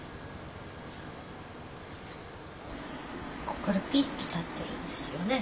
こっからピッと立ってるんですよね。